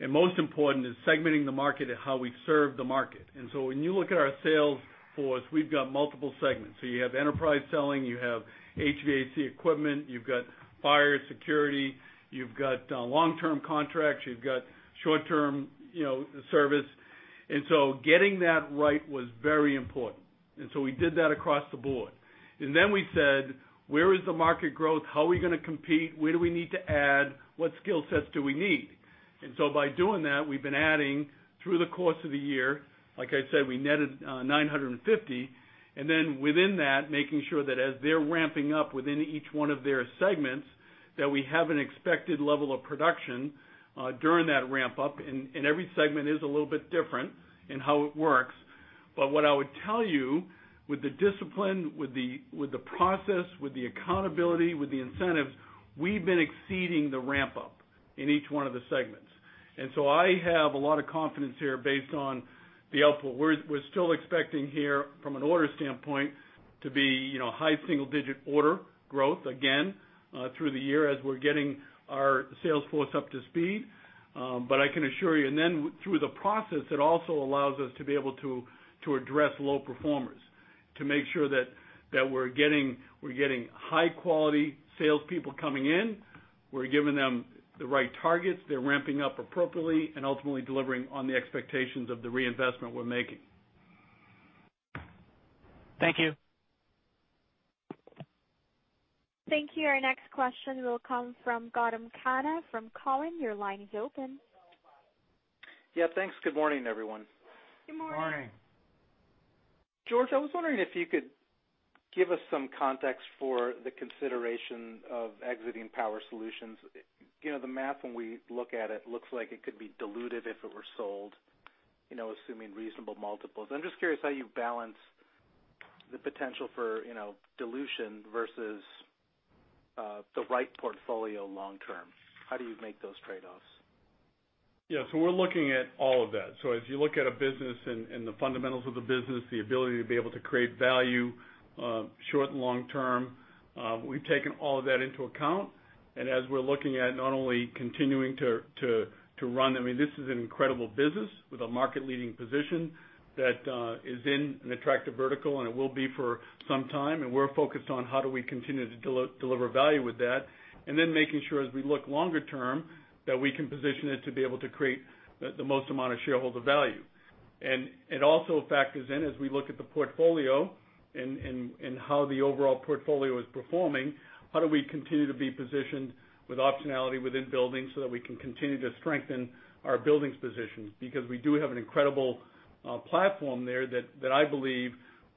Most important is segmenting the market at how we serve the market. When you look at our sales force, we've got multiple segments. You have enterprise selling, you have HVAC equipment, you've got fire security, you've got long-term contracts, you've got short-term service. Getting that right was very important. We did that across the board. Then we said, "Where is the market growth? How are we going to compete? Where do we need to add? What skill sets do we need? By doing that, we've been adding through the course of the year, like I said, we netted 950. Within that, making sure that as they're ramping up within each one of their segments, that we have an expected level of production during that ramp-up. Every segment is a little bit different in how it works. What I would tell you, with the discipline, with the process, with the accountability, with the incentives, we've been exceeding the ramp-up in each one of the segments. I have a lot of confidence here based on the output. We're still expecting here from an order standpoint to be high single digit order growth again, through the year as we're getting our sales force up to speed. I can assure you, through the process, it also allows us to be able to address low performers, to make sure that we're getting high quality salespeople coming in. We're giving them the right targets. They're ramping up appropriately and ultimately delivering on the expectations of the reinvestment we're making. Thank you. Thank you. Our next question will come from Gautam Khanna from Cowen. Your line is open. Yeah, thanks. Good morning, everyone. Good morning. Morning. George, I was wondering if you could give us some context for the consideration of exiting Power Solutions. The math, when we look at it, looks like it could be diluted if it were sold, assuming reasonable multiples. I'm just curious how you balance the potential for dilution versus the right portfolio long term. How do you make those trade-offs? Yeah. We're looking at all of that. If you look at a business and the fundamentals of the business, the ability to be able to create value, short and long term, we've taken all of that into account. As we're looking at not only continuing to run, I mean, this is an incredible business with a market leading position that is in an attractive vertical, and it will be for some time. We're focused on how do we continue to deliver value with that. Then making sure as we look longer term, that we can position it to be able to create the most amount of shareholder value. It also factors in, as we look at the portfolio and how the overall portfolio is performing, how do we continue to be positioned with optionality within Buildings so that we can continue to strengthen our Buildings position. Because we do have an incredible platform there that I believe,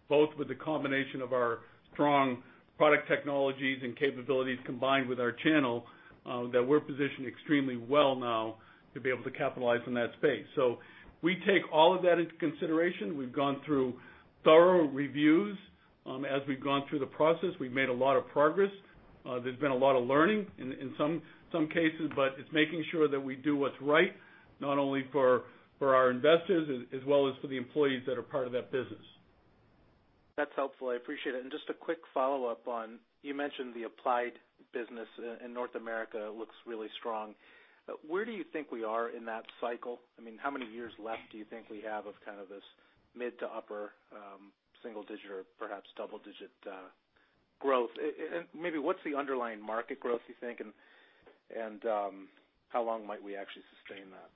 both with the combination of our strong product technologies and capabilities combined with our channel, that we're positioned extremely well now to be able to capitalize on that space. We take all of that into consideration. We've gone through thorough reviews. As we've gone through the process, we've made a lot of progress. There's been a lot of learning in some cases, but it's making sure that we do what's right not only for our investors, as well as for the employees that are part of that business. That's helpful. I appreciate it. Just a quick follow-up on, you mentioned the Applied business in North America looks really strong. Where do you think we are in that cycle? I mean, how many years left do you think we have of kind of this mid to upper, single-digit or perhaps double-digit growth? And maybe what's the underlying market growth, you think, and how long might we actually sustain that?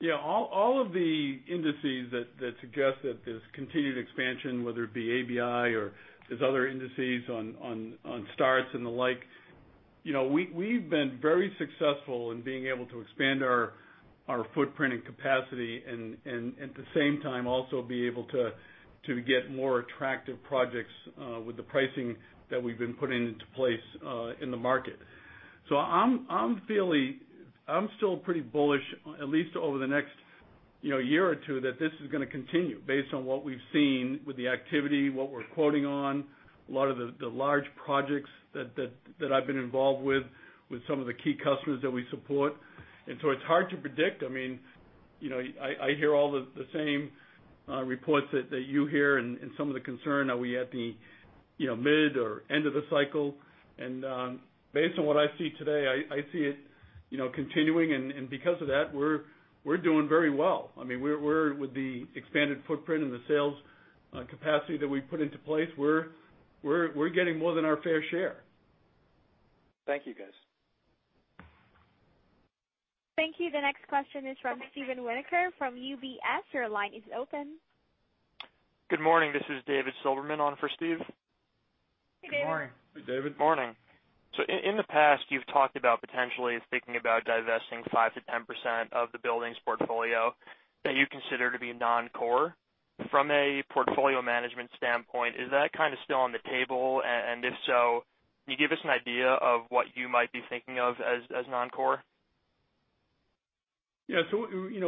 Yeah. All of the indices that suggest that there's continued expansion, whether it be ABI or there's other indices on starts and the like. We've been very successful in being able to expand our footprint and capacity. At the same time, also be able to get more attractive projects with the pricing that we've been putting into place in the market. I'm feeling, I'm still pretty bullish, at least over the next year or two, that this is going to continue based on what we've seen with the activity, what we're quoting on, a lot of the large projects that I've been involved with some of the key customers that we support. It's hard to predict. I hear all the same reports that you hear and some of the concern, are we at the mid or end of the cycle? Based on what I see today, I see it continuing, and because of that, we're doing very well. I mean, with the expanded footprint and the sales capacity that we put into place, we're getting more than our fair share. Thank you, guys. Thank you. The next question is from Stephen Volkmann from UBS. Your line is open. Good morning. This is David Silverman on for Steve. Hey, David. Good morning. Hey, David. Morning. In the past, you've talked about potentially thinking about divesting 5%-10% of the Buildings portfolio that you consider to be non-core. From a portfolio management standpoint, is that kind of still on the table? If so, can you give us an idea of what you might be thinking of as non-core?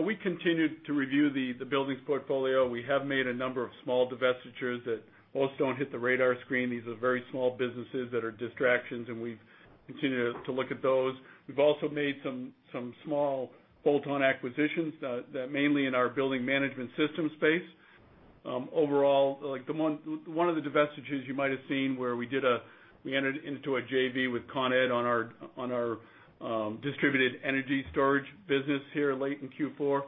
We continue to review the Buildings portfolio. We have made a number of small divestitures that most don't hit the radar screen. These are very small businesses that are distractions, and we continue to look at those. We've also made some small bolt-on acquisitions, mainly in our building management system space. Overall, one of the divestitures you might have seen where we entered into a JV with Con Edison on our distributed energy storage business here late in Q4.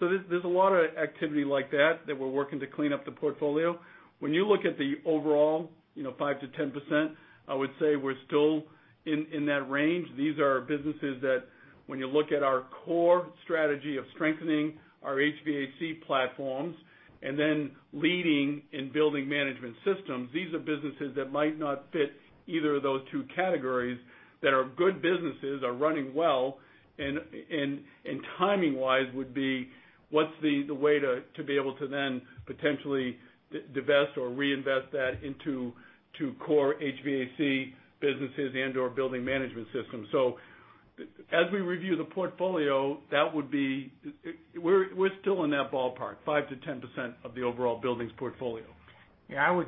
There's a lot of activity like that we're working to clean up the portfolio. When you look at the overall 5% to 10%, I would say we're still in that range. These are businesses that when you look at our core strategy of strengthening our HVAC platforms, then leading in building management systems. These are businesses that might not fit either of those two categories that are good businesses, are running well, and timing-wise would be, what's the way to be able to then potentially divest or reinvest that into core HVAC businesses and/or building management systems. As we review the portfolio, we're still in that ballpark, 5% to 10% of the overall buildings portfolio. I would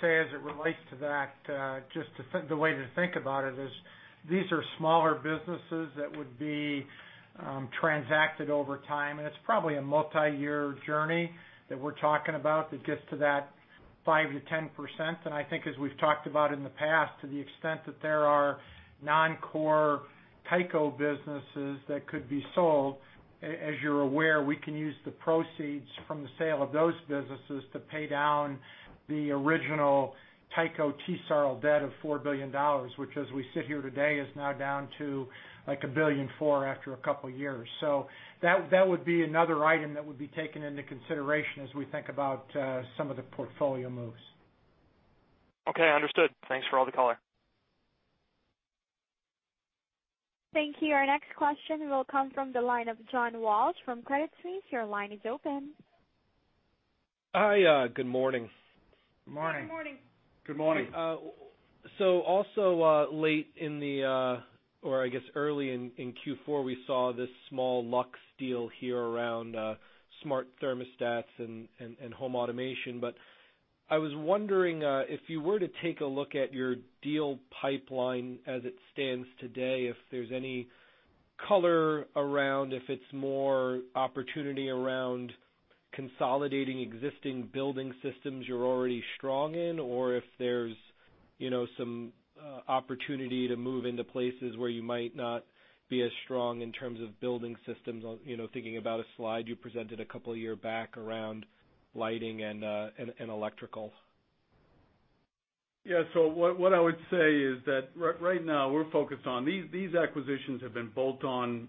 say as it relates to that, just the way to think about it is these are smaller businesses that would be transacted over time, and it's probably a multi-year journey that we're talking about that gets to that 5% to 10%. I think as we've talked about in the past, to the extent that there are non-core Tyco businesses that could be sold, as you're aware, we can use the proceeds from the sale of those businesses to pay down the original Tyco TSARL debt of $4 billion, which, as we sit here today, is now down to like $1.4 billion after a couple of years. That would be another item that would be taken into consideration as we think about some of the portfolio moves. Understood. Thanks for all the color. Thank you. Our next question will come from the line of John Walsh from Credit Suisse. Your line is open. Hi, good morning. Morning. Good morning. Good morning. early in Q4, we saw this small Lux deal here around smart thermostats and home automation. I was wondering if you were to take a look at your deal pipeline as it stands today, if there's any color around if it's more opportunity around consolidating existing building systems you're already strong in, or if there's some opportunity to move into places where you might not be as strong in terms of building systems, thinking about a Slide you presented a couple of year back around lighting and electrical. What I would say is that right now we're focused on These acquisitions have been bolt-on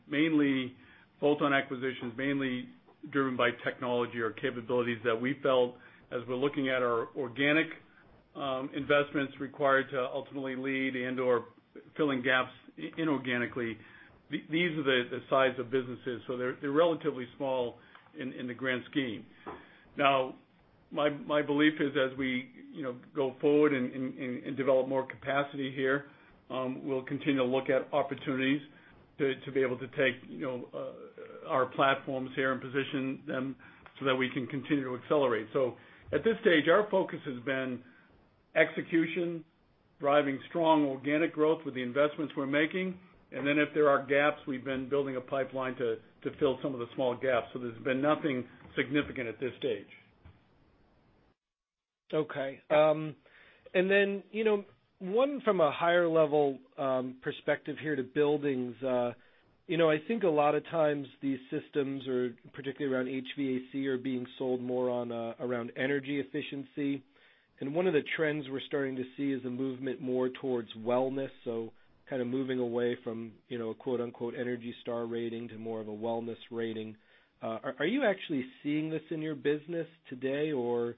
acquisitions, mainly driven by technology or capabilities that we felt as we're looking at our organic investments required to ultimately lead and/or filling gaps inorganically. These are the size of businesses. They're relatively small in the grand scheme. Now, my belief is, as we go forward and develop more capacity here, we'll continue to look at opportunities to be able to take our platforms here and position them so that we can continue to accelerate. At this stage, our focus has been execution, driving strong organic growth with the investments we're making, and then if there are gaps, we've been building a pipeline to fill some of the small gaps. There's been nothing significant at this stage. One from a higher level perspective here to buildings. I think a lot of times these systems, particularly around HVAC, are being sold more around energy efficiency. One of the trends we're starting to see is a movement more towards wellness. Kind of moving away from, quote-unquote, ENERGY STAR rating to more of a wellness rating. Are you actually seeing this in your business today, or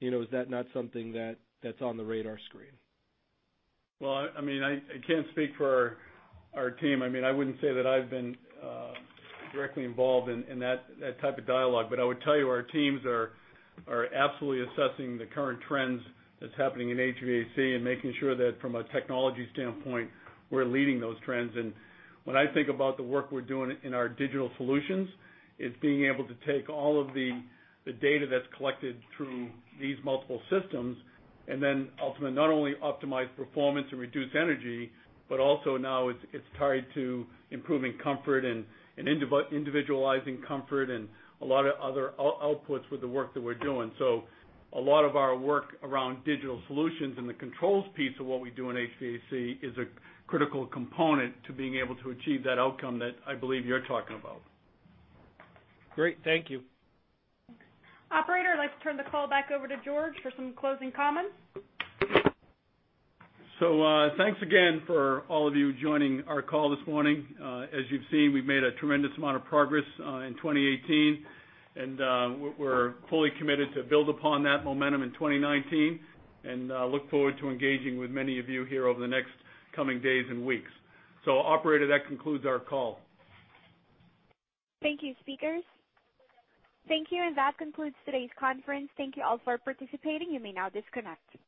is that not something that's on the radar screen? I can't speak for our team. I wouldn't say that I've been directly involved in that type of dialogue, but I would tell you our teams are absolutely assessing the current trends that's happening in HVAC and making sure that from a technology standpoint, we're leading those trends. When I think about the work we're doing in our digital solutions, it's being able to take all of the data that's collected through these multiple systems, and then ultimately not only optimize performance and reduce energy, but also now it's tied to improving comfort and individualizing comfort and a lot of other outputs with the work that we're doing. A lot of our work around digital solutions and the controls piece of what we do in HVAC is a critical component to being able to achieve that outcome that I believe you're talking about. Great. Thank you. Operator, I'd like to turn the call back over to George for some closing comments. Thanks again for all of you joining our call this morning. As you've seen, we've made a tremendous amount of progress in 2018, and we're fully committed to build upon that momentum in 2019, and look forward to engaging with many of you here over the next coming days and weeks. Operator, that concludes our call. Thank you, speakers. Thank you. That concludes today's conference. Thank you all for participating. You may now disconnect.